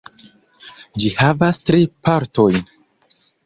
Ĝi havas tri partojn.